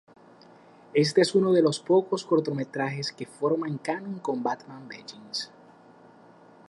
Este es uno de los pocos cortometrajes que forman canon con Batman Begins.